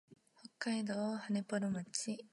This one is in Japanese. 北海道羽幌町